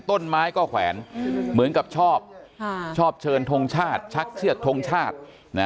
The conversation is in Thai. ต้นไม้ก็แขวนเหมือนกับชอบชอบเชิญทงชาติชักเชือกทงชาติ